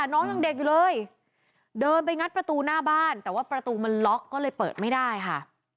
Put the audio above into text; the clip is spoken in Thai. น้องยังเด็กอยู่เลยเดินไปงัดประตูหน้าบ้านแต่ว่าประตูมันล็อกก็เลยเปิดไม่ได้ค่ะ